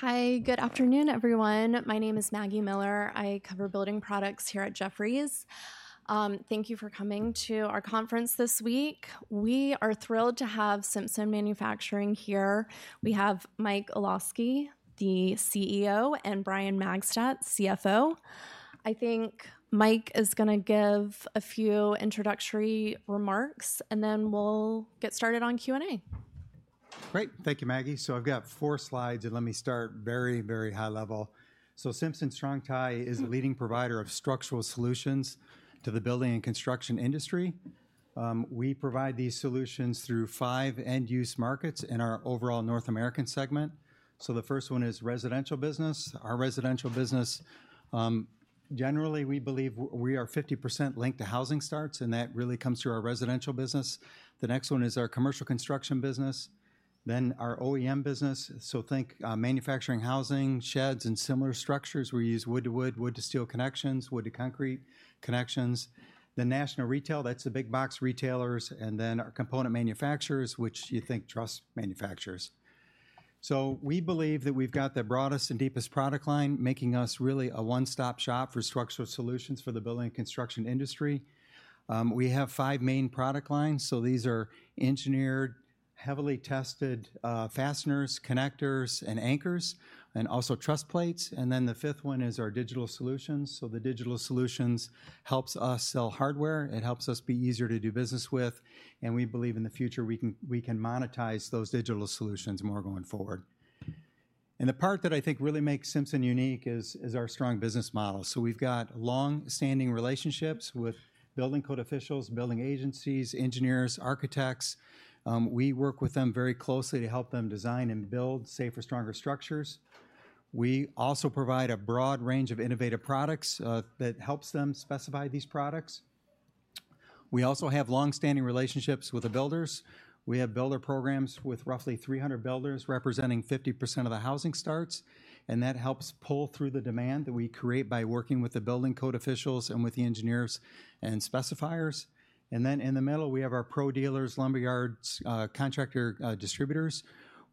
Hi, good afternoon, everyone. My name is Maggie Miller. I cover building products here at Jefferies. Thank you for coming to our conference this week. We are thrilled to have Simpson Manufacturing here. We have Mike Olosky, the CEO, and Brian Magstadt, CFO. I think Mike is gonna give a few introductory remarks, and then we'll get started on Q and A. Great. Thank you, Maggie. So I've got four slides, and let me start very, very high level. So Simpson Strong-Tie is a leading provider of structural solutions to the building and construction industry. We provide these solutions through five end-use markets in our overall North American segment. So the first one is residential business. Our residential business, generally, we believe we are 50% linked to housing starts, and that really comes through our residential business. The next one is our commercial construction business, then our OEM business. So think, manufacturing, housing, sheds, and similar structures. We use wood to wood, wood to steel connections, wood to concrete connections. The national retail, that's the big box retailers, and then our component manufacturers, which you think truss manufacturers. So we believe that we've got the broadest and deepest product line, making us really a one-stop shop for structural solutions for the building and construction industry. We have five main product lines, so these are engineered, heavily tested, fasteners, connectors, and anchors, and also truss plates. And then the 5th one is our digital solutions. So the digital solutions helps us sell hardware, it helps us be easier to do business with, and we believe in the future, we can monetize those digital solutions more going forward. And the part that I think really makes Simpson unique is our strong business model. So we've got long-standing relationships with building code officials, building agencies, engineers, architects. We work with them very closely to help them design and build safer, stronger structures. We also provide a broad range of innovative products that helps them specify these products. We also have long-standing relationships with the builders. We have builder programs with roughly 300 builders, representing 50% of the housing starts, and that helps pull through the demand that we create by working with the building code officials and with the engineers and specifiers, and then in the middle, we have our pro dealers, lumber yards, contractor, distributors,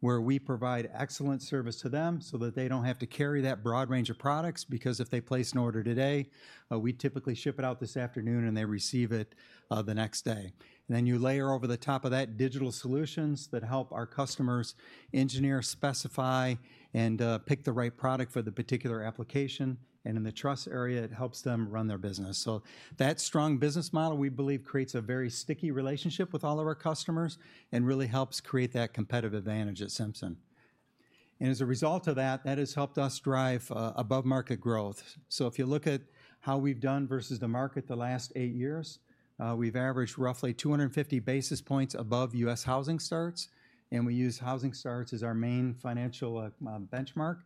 where we provide excellent service to them so that they don't have to carry that broad range of products, because if they place an order today, we typically ship it out this afternoon, and they receive it, the next day. And then you layer over the top of that, digital solutions that help our customers engineer, specify, and pick the right product for the particular application, and in the truss area, it helps them run their business. So that strong business model, we believe, creates a very sticky relationship with all of our customers and really helps create that competitive advantage at Simpson. And as a result of that, that has helped us drive above-market growth. So if you look at how we've done versus the market the last eight years, we've averaged roughly 250 basis points above U.S. housing starts, and we use housing starts as our main financial benchmark.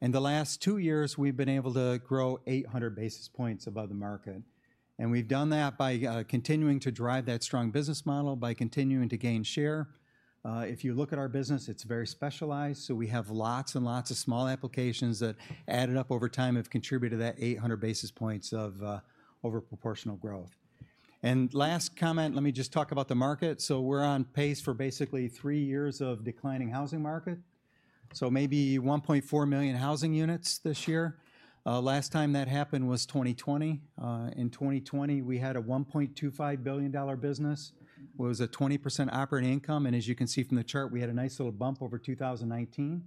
In the last two years, we've been able to grow eight hundred basis points above the market, and we've done that by, continuing to drive that strong business model, by continuing to gain share. If you look at our business, it's very specialized, so we have lots and lots of small applications that, added up over time, have contributed to that 800 basis points of, over proportional growth. And last comment, let me just talk about the market. So we're on pace for basically three years of declining housing market, so maybe 1.4 million housing units this year. Last time that happened was 2020. In 2020, we had a $1.25 billion business, with 20% operating income, and as you can see from the chart, we had a nice little bump over 2019.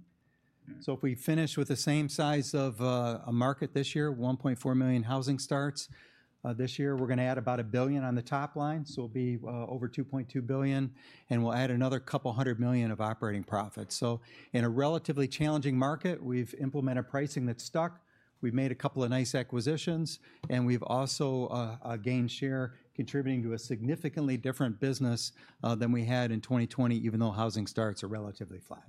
So if we finish with the same size of a market this year, 1.4 million housing starts this year, we're gonna add about $1 billion on the top line, so it'll be over $2.2 billion, and we'll add another $200 million of operating profits. So in a relatively challenging market, we've implemented pricing that stuck, we've made a couple of nice acquisitions, and we've also gained share, contributing to a significantly different business than we had in 2020, even though housing starts are relatively flat.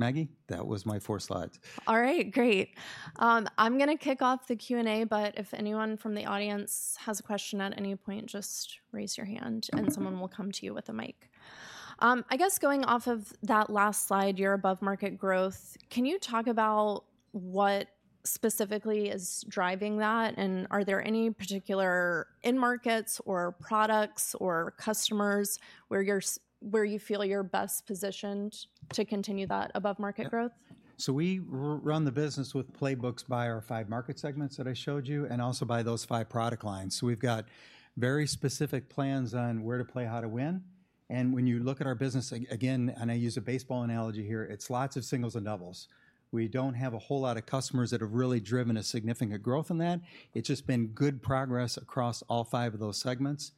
Maggie, that was my four slides. All right, great. I'm gonna kick off the Q and A, but if anyone from the audience has a question at any point, just raise your hand, and someone will come to you with a mic. I guess going off of that last slide, your above-market growth, can you talk about what specifically is driving that, and are there any particular end markets or products or customers where you feel you're best positioned to continue that above-market growth? So we run the business with playbooks by our five market segments that I showed you, and also by those five product lines. So we've got very specific plans on where to play, how to win, and when you look at our business again, and I use a baseball analogy here, it's lots of singles and doubles. We don't have a whole lot of customers that have really driven a significant growth in that. It's just been good progress across all five of those segments.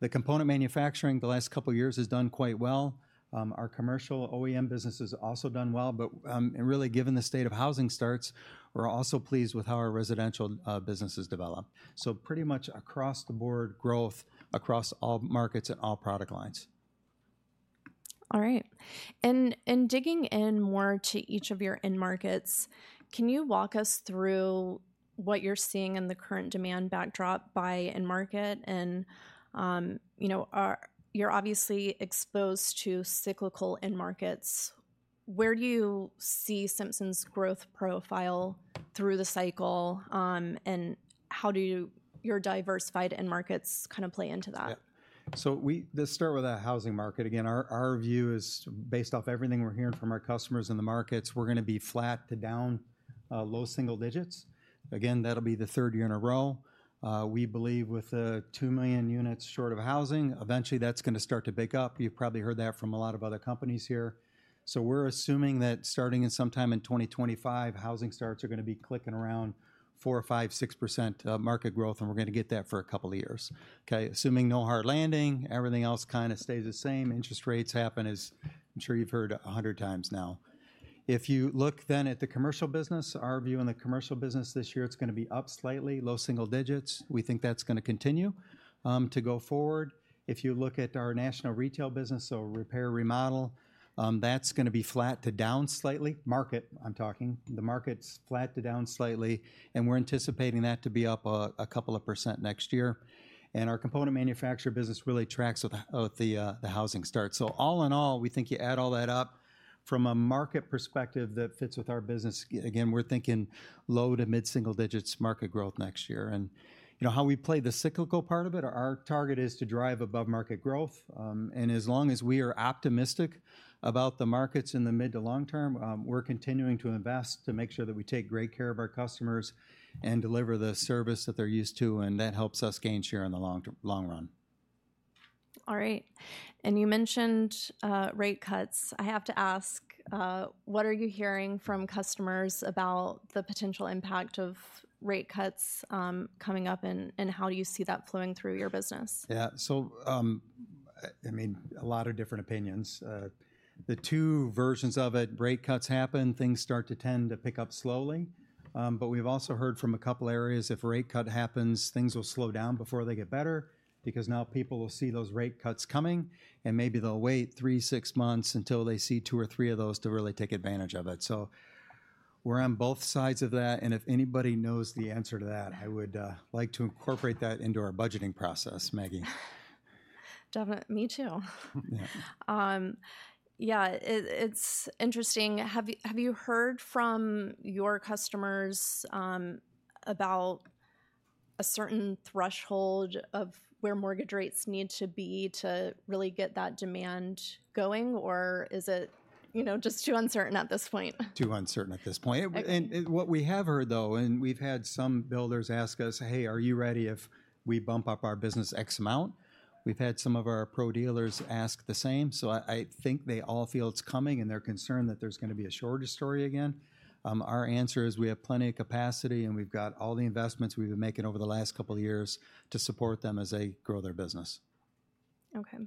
The component manufacturing the last couple of years has done quite well. Our commercial OEM business has also done well, but, and really, given the state of housing starts, we're also pleased with how our residential business has developed. So pretty much across the board growth across all markets and all product lines. All right, and digging in more to each of your end markets, can you walk us through what you're seeing in the current demand backdrop by end market? And you know, you're obviously exposed to cyclical end markets. Where do you see Simpson's growth profile through the cycle, and how do your diversified end markets kind of play into that? Yeah. So we, let's start with our housing market. Again, our view is based off everything we're hearing from our customers in the markets. We're going to be flat to down, low single digits. Again, that'll be the third year in a row. We believe with the 2 million units short of housing, eventually that's going to start to pick up. You've probably heard that from a lot of other companies here. So we're assuming that starting in sometime in 2025, housing starts are going to be clicking around 4% or 5, 6%, market growth, and we're going to get that for a couple of years. Okay, assuming no hard landing, everything else kind of stays the same. Interest rates happen, as I'm sure you've heard 100 times now. If you look then at the commercial business, our view on the commercial business this year, it's going to be up slightly, low single digits. We think that's going to continue to go forward. If you look at our national retail business, so repair, remodel, that's going to be flat to down slightly. Market, I'm talking. The market's flat to down slightly, and we're anticipating that to be up a couple of % next year. And our component manufacturer business really tracks with the housing starts. So all in all, we think you add all that up from a market perspective that fits with our business. Again, we're thinking low to mid single digits market growth next year. And you know how we play the cyclical part of it? Our target is to drive above-market growth. And as long as we are optimistic about the markets in the mid to long term, we're continuing to invest to make sure that we take great care of our customers and deliver the service that they're used to, and that helps us gain share in the long run. All right. And you mentioned rate cuts. I have to ask what are you hearing from customers about the potential impact of rate cuts coming up, and how do you see that flowing through your business? Yeah, so, I mean, a lot of different opinions. The two versions of it, rate cuts happen, things start to tend to pick up slowly, but we've also heard from a couple areas, if a rate cut happens, things will slow down before they get better because now people will see those rate cuts coming, and maybe they'll wait 3/6 months until they see two or three of those to really take advantage of it, so we're on both sides of that, and if anybody knows the answer to that, I would like to incorporate that into our budgeting process, Maggie. Definitely. Me too. Yeah. Yeah, it's interesting. Have you heard from your customers about a certain threshold of where mortgage rates need to be to really get that demand going, or is it, you know, just too uncertain at this point? Too uncertain at this point. Okay. What we have heard, though, is that we've had some builders ask us, "Hey, are you ready if we bump up our business X amount?" We've had some of our pro dealers ask the same. So I think they all feel it's coming, and they're concerned that there's going to be a shortage story again. Our answer is, we have plenty of capacity, and we've got all the investments we've been making over the last couple of years to support them as they grow their business. Okay.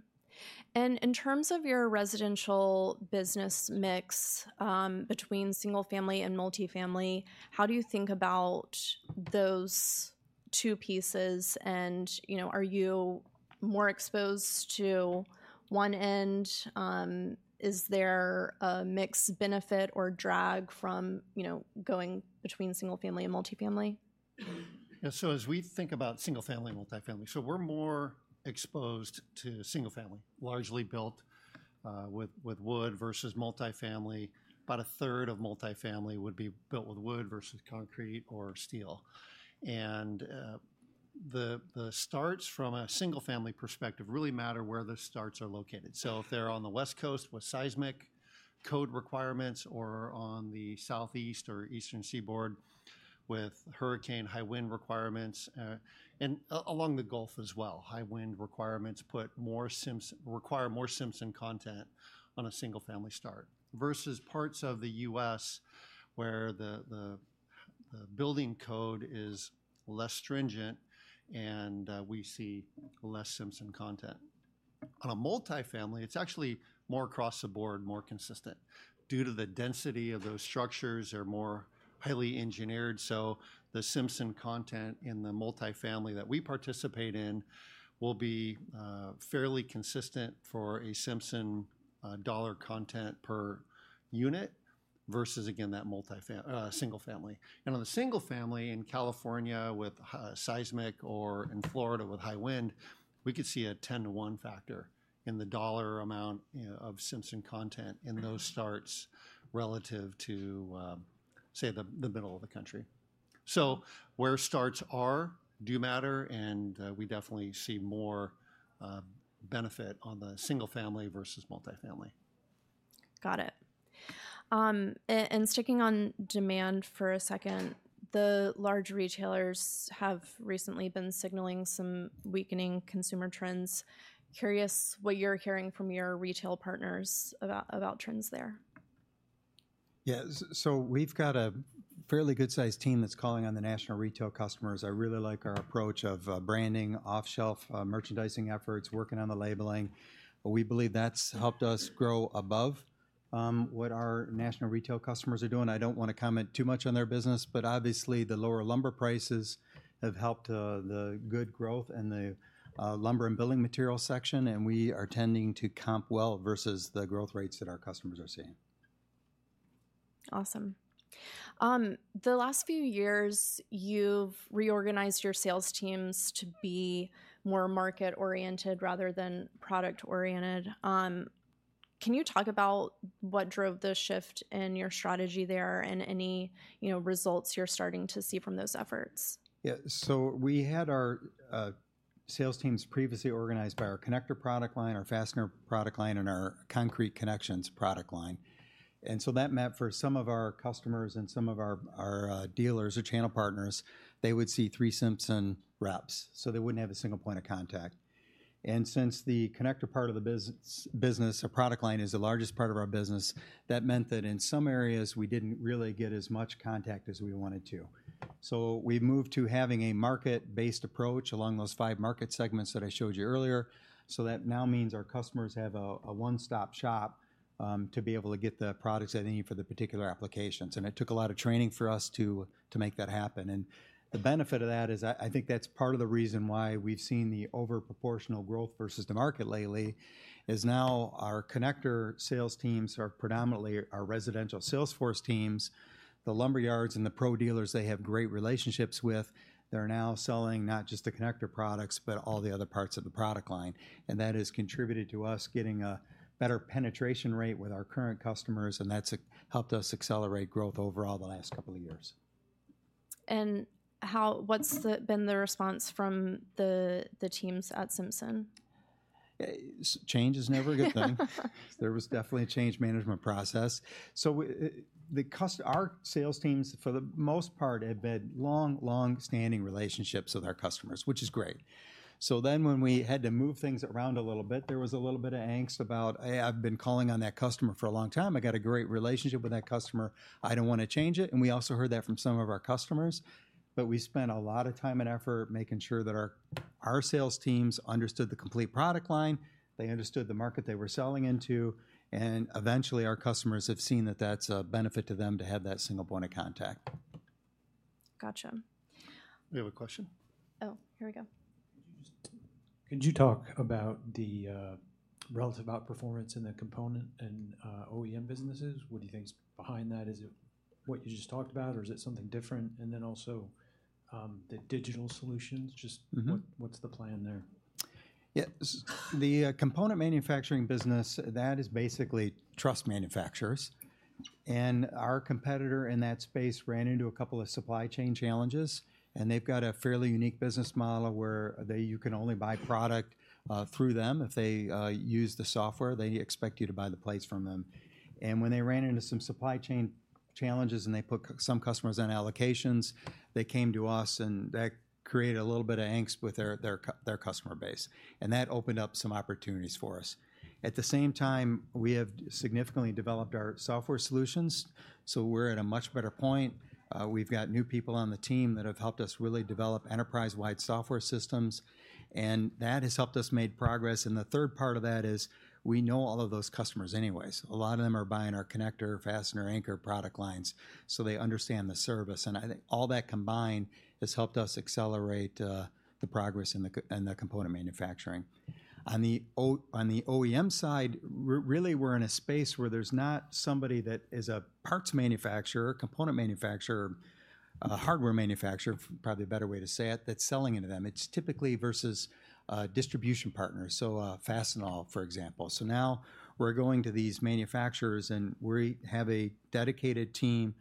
And in terms of your residential business mix, between single family and multifamily, how do you think about those two pieces? And, you know, are you more exposed to one end? Is there a mixed benefit or drag from, you know, going between single family and multifamily? Yeah, so as we think about single family and multifamily, so we're more exposed to single family, largely built with wood versus multifamily. About a third of multifamily would be built with wood versus concrete or steel, and the starts from a single family perspective really matter where the starts are located, so if they're on the West Coast with seismic code requirements or on the Southeast or Eastern Seaboard with hurricane, high wind requirements, and along the Gulf Coast as well, high wind requirements require more Simpson content on a single family start, versus parts of the U.S., where the building code is less stringent and we see less Simpson content. On a multifamily, it's actually more across the board, more consistent. Due to the density of those structures, they're more highly engineered, so the Simpson content in the multifamily that we participate in will be fairly consistent for a Simpson dollar content per unit, versus again, that multifamily single family. And on the single family in California with seismic or in Florida with high wind, we could see a 10-to-1 factor in the dollar amount, you know, of Simpson content in those starts relative to say, the middle of the country, so where starts are do matter, and we definitely see more benefit on the single family versus multifamily. Got it. Sticking on demand for a second, the large retailers have recently been signaling some weakening consumer trends. Curious what you're hearing from your retail partners about trends there? Yeah, so we've got a fairly good-sized team that's calling on the national retail customers. I really like our approach of branding, off-shelf merchandising efforts, working on the labeling. We believe that's helped us grow above what our national retail customers are doing. I don't want to comment too much on their business, but obviously, the lower lumber prices have helped the good growth in the lumber and building material section, and we are tending to comp well versus the growth rates that our customers are seeing. Awesome. The last few years, you've reorganized your sales teams to be more market-oriented rather than product-oriented. Can you talk about what drove the shift in your strategy there, and any, you know, results you're starting to see from those efforts? Yeah. So we had our sales teams previously organized by our connector product line, our fastener product line, and our concrete connections product line. And so that meant for some of our customers and some of our dealers or channel partners, they would see three Simpson reps, so they wouldn't have a single point of contact. And since the connector part of the business or product line is the largest part of our business, that meant that in some areas we didn't really get as much contact as we wanted to. So we moved to having a market-based approach along those five market segments that I showed you earlier. So that now means our customers have a one-stop shop to be able to get the products they need for the particular applications, and it took a lot of training for us to make that happen. And the benefit of that is I think that's part of the reason why we've seen the overproportional growth versus the market lately, is now our connector sales teams are predominantly our residential sales force teams. The lumber yards and the pro dealers, they have great relationships with. They're now selling not just the connector products, but all the other parts of the product line. And that has contributed to us getting a better penetration rate with our current customers, and that's helped us accelerate growth overall the last couple of years. What's been the response from the teams at Simpson? Change is never a good thing. There was definitely a change management process. Our sales teams, for the most part, have been long, long-standing relationships with our customers, which is great. Then when we had to move things around a little bit, there was a little bit of angst about, hey, I've been calling on that customer for a long time. I got a great relationship with that customer. I don't wanna change it. And we also heard that from some of our customers, but we spent a lot of time and effort making sure that our sales teams understood the complete product line, they understood the market they were selling into, and eventually, our customers have seen that that's a benefit to them to have that single point of contact. Gotcha. I have a question? Oh, here we go. Could you talk about the relative outperformance in the component and OEM businesses? What do you think is behind that? Is it what you just talked about, or is it something different? And then also, the digital solutions, just— Mm-hmm. What's the plan there? Yeah. The component manufacturing business, that is basically truss manufacturers. And our competitor in that space ran into a couple of supply chain challenges, and they've got a fairly unique business model, where they, you can only buy product through them. If they use the software, they expect you to buy the plates from them. And when they ran into some supply chain challenges, and they put some customers on allocations, they came to us, and that created a little bit of angst with their customer base, and that opened up some opportunities for us. At the same time, we have significantly developed our software solutions, so we're at a much better point. We've got new people on the team that have helped us really develop enterprise-wide software systems, and that has helped us make progress. And the third part of that is, we know all of those customers anyways. A lot of them are buying our connector, fastener, anchor product lines, so they understand the service. And I think all that combined has helped us accelerate the progress in the component manufacturing. On the OEM side, really, we're in a space where there's not somebody that is a parts manufacturer, a component manufacturer, a hardware manufacturer, probably a better way to say it, that's selling it to them. It's typically versus distribution partners, so Fastenal, for example. So now we're going to these manufacturers, and we have a dedicated team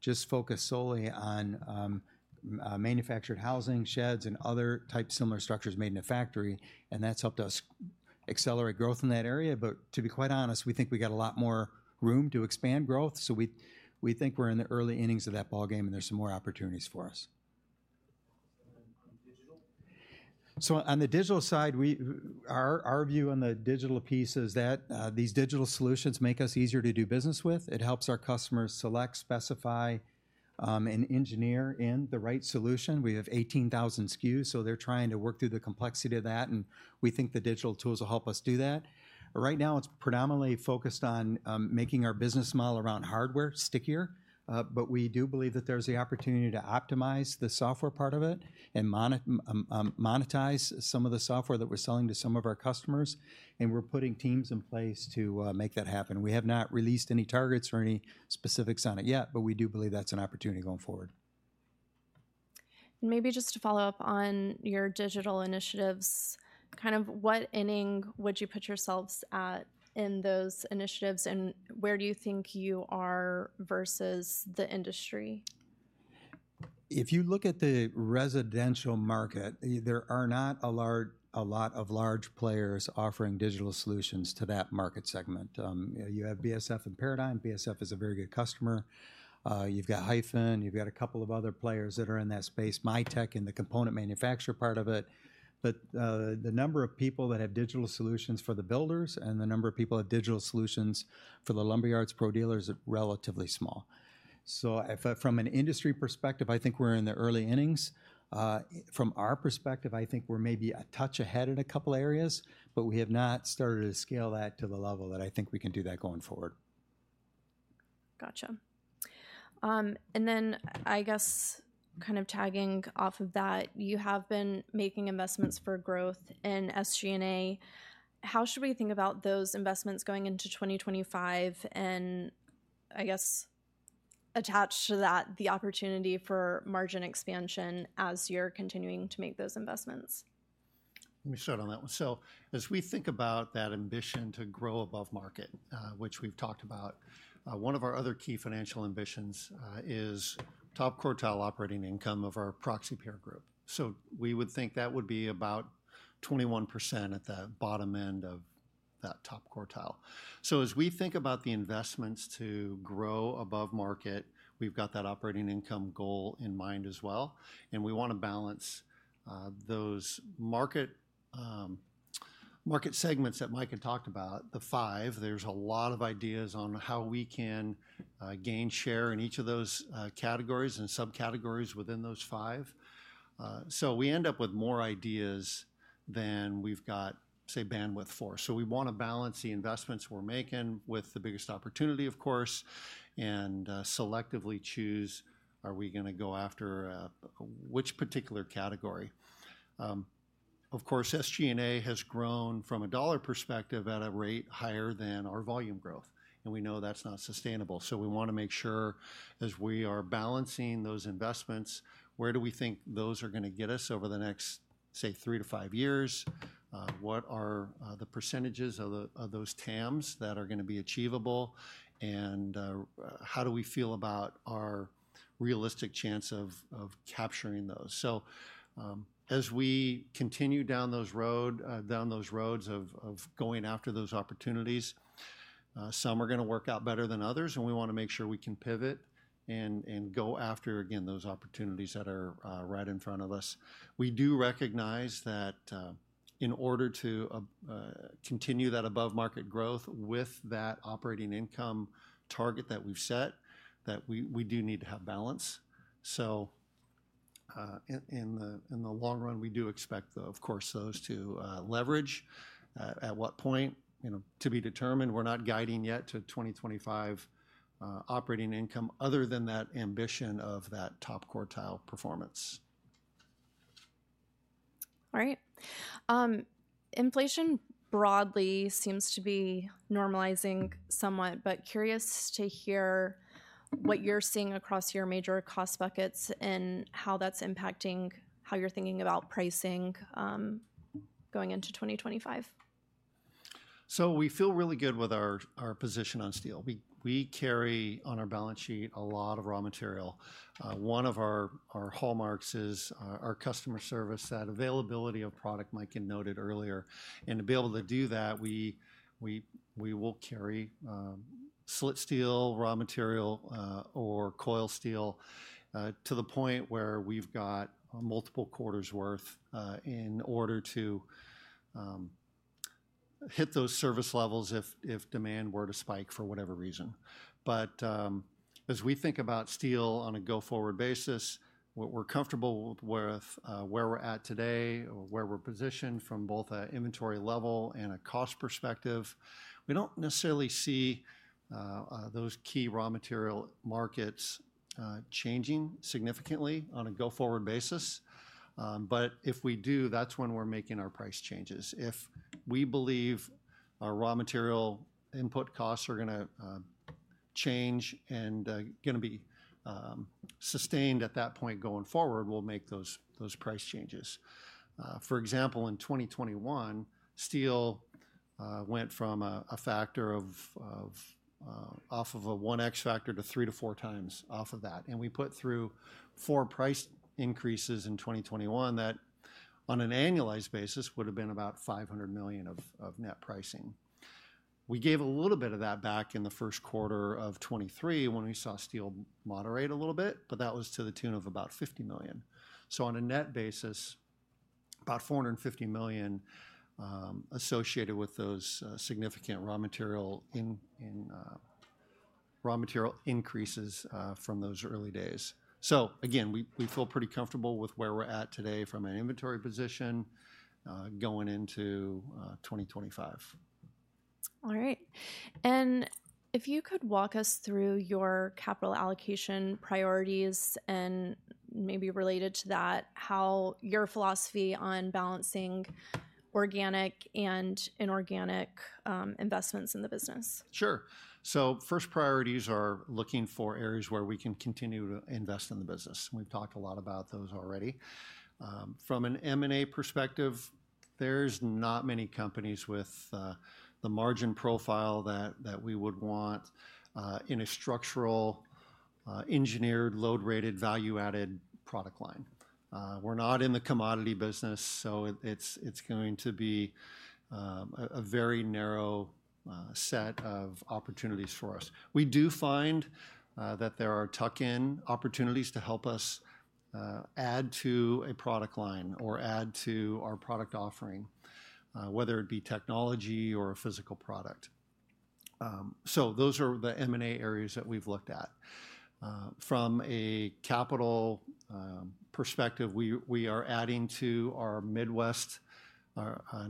just focused solely on manufactured housing, sheds, and other types of similar structures made in a factory, and that's helped us accelerate growth in that area. But to be quite honest, we think we got a lot more room to expand growth, so we think we're in the early innings of that ballgame, and there's some more opportunities for us. And then, on digital. So on the digital side, our view on the digital piece is that these digital solutions make us easier to do business with. It helps our customers select, specify, and engineer in the right solution. We have 18,000 SKUs, so they're trying to work through the complexity of that, and we think the digital tools will help us do that. But right now, it's predominantly focused on making our business model around hardware stickier. But we do believe that there's the opportunity to optimize the software part of it and monetize some of the software that we're selling to some of our customers, and we're putting teams in place to make that happen. We have not released any targets or any specifics on it yet, but we do believe that's an opportunity going forward. Maybe just to follow up on your digital initiatives, kind of what inning would you put yourselves at in those initiatives, and where do you think you are versus the industry? If you look at the residential market, there are not a lot of large players offering digital solutions to that market segment. You know, you have BFS and Paradigm. BFS is a very good customer. You've got Hyphen, you've got a couple of other players that are in that space, MiTek in the component manufacturer part of it. But the number of people that have digital solutions for the builders and the number of people with digital solutions for the lumber yards, pro dealers, are relatively small. So if from an industry perspective, I think we're in the early innings. From our perspective, I think we're maybe a touch ahead in a couple areas, but we have not started to scale that to the level that I think we can do that going forward. Gotcha. And then I guess kind of tagging off of that, you have been making investments for growth in SG&A. How should we think about those investments going into 2025, and I guess, attached to that, the opportunity for margin expansion as you're continuing to make those investments? Let me start on that one. So as we think about that ambition to grow above market, which we've talked about, one of our other key financial ambitions is top quartile operating income of our proxy peer group. So we would think that would be about 21% at the bottom end of that top quartile. So as we think about the investments to grow above market, we've got that operating income goal in mind as well, and we want to balance those market segments that Mike had talked about, the five. There's a lot of ideas on how we can gain share in each of those categories and subcategories within those five. So we end up with more ideas than we've got, say, bandwidth for. So we want to balance the investments we're making with the biggest opportunity, of course, and selectively choose, are we going to go after which particular category? Of course, SG&A has grown from a dollar perspective at a rate higher than our volume growth, and we know that's not sustainable. So we want to make sure as we are balancing those investments, where do we think those are going to get us over the next, say, 3 to 5 years? What are the percentages of those TAMs that are going to be achievable? And how do we feel about our realistic chance of capturing those? As we continue down those roads of going after those opportunities, some are going to work out better than others, and we want to make sure we can pivot and go after, again, those opportunities that are right in front of us. We do recognize that in order to continue that above market growth with that operating income target that we've set, that we do need to have balance. In the long run, we do expect, though, of course, those to leverage at what point, you know, to be determined. We're not guiding yet to 2025 operating income other than that ambition of that top quartile performance. All right. Inflation broadly seems to be normalizing somewhat, but curious to hear what you're seeing across your major cost buckets and how that's impacting how you're thinking about pricing, going into 2025? So we feel really good with our position on steel. We carry on our balance sheet a lot of raw material. One of our hallmarks is our customer service, that availability of product Mike had noted earlier. And to be able to do that, we will carry slit steel, raw material, or coil steel to the point where we've got multiple quarters worth in order to hit those service levels if demand were to spike for whatever reason. But as we think about steel on a go-forward basis, what we're comfortable with, where we're at today or where we're positioned from both an inventory level and a cost perspective, we don't necessarily see those key raw material markets changing significantly on a go-forward basis. But if we do, that's when we're making our price changes. If we believe our raw material input costs are going to change and going to be sustained at that point going forward, we'll make those price changes. For example, in 2021, steel went from a factor off of a one X factor to three to four times off of that. And we put through four price increases in 2021 that, on an annualized basis, would have been about $500 million of net pricing. We gave a little bit of that back in the first quarter of 2023 when we saw steel moderate a little bit, but that was to the tune of about $50 million. On a net basis, about $450 million associated with those significant raw material increases from those early days. Again, we feel pretty comfortable with where we're at today from an inventory position going into 2025. All right. And if you could walk us through your capital allocation priorities, and maybe related to that, how your philosophy on balancing organic and inorganic investments in the business. Sure. So first priorities are looking for areas where we can continue to invest in the business. We've talked a lot about those already. From an M&A perspective, there's not many companies with the margin profile that we would want in a structural, engineered, load-rated, value-added product line. We're not in the commodity business, so it's going to be a very narrow set of opportunities for us. We do find that there are tuck-in opportunities to help us add to a product line or add to our product offering, whether it be technology or a physical product. So those are the M&A areas that we've looked at. From a capital perspective, we are adding to our Midwest,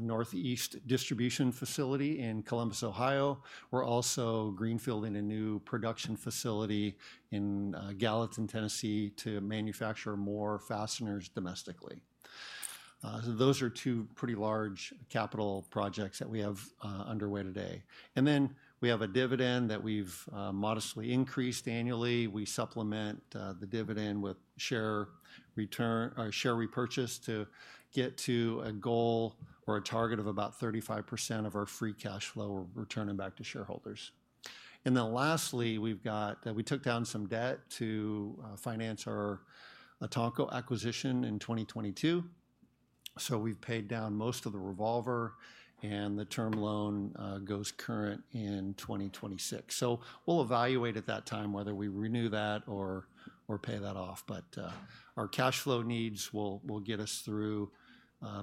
Northeast distribution facility in Columbus, Ohio. We're also greenfielding a new production facility in Gallatin, Tennessee, to manufacture more fasteners domestically. So those are two pretty large capital projects that we have underway today. And then we have a dividend that we've modestly increased annually. We supplement the dividend with share repurchase to get to a goal or a target of about 35% of our free cash flow, we're returning back to shareholders. And then lastly, we've got we took down some debt to finance our Etanco acquisition in 2022. So we've paid down most of the revolver, and the term loan goes current in 2026. So we'll evaluate at that time whether we renew that or pay that off. Our cash flow needs will get us through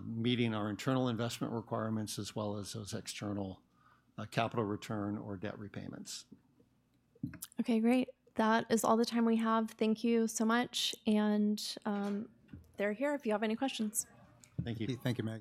meeting our internal investment requirements, as well as those external capital return or debt repayments. Okay, great. That is all the time we have. Thank you so much, and they're here if you have any questions. Thank you. Thank you, Maggie.